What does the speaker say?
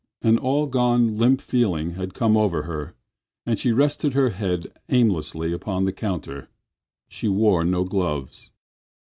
An all gone limp feeling had come over her and she rested her hand aimlessly upon the counter. She wore no gloves.